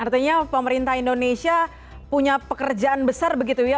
artinya pemerintah indonesia punya pekerjaan besar begitu ya